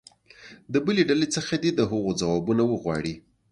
د بلې ډلې څخه دې د هغو ځوابونه وغواړي.